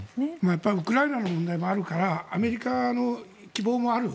ウクライナの問題もあるからアメリカの希望もある。